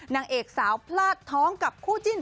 นางเอกสาวพลาดท้องกับคู่จิ้น